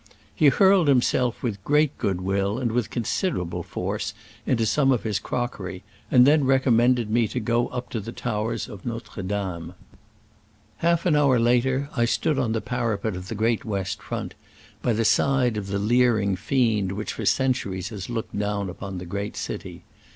He hurled him with great good will and with considerable force into some of his crockery, and then recommended me to go up the towers of Notre Dame. Half an hour later I stood on the parapet of the great west front, by the side of the leering fiend which for cen turies has looked down upon the great city.